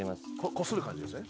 こする感じですね。